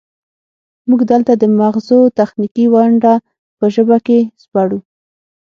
موږ دلته د مغزو تخنیکي ونډه په ژبه کې سپړو